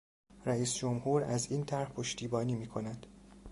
رئیس جمهور از این طرح پشتیبانی میکند.